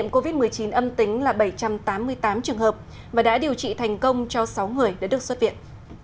covid một mươi chín âm tính là bảy trăm tám mươi tám trường hợp và đã điều trị thành công cho sáu người đã được xuất viện